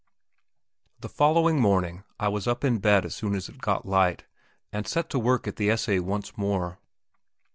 The following morning I sat up in bed as soon as it got light, and set to work at the essay once more.